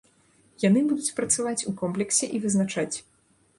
Яны будуць працаваць у комплексе і вызначаць.